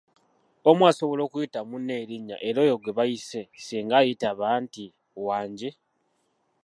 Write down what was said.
Omu asbola okuyita munne erinnya era oyo gwe bayise singa ayitaba nti, wangi?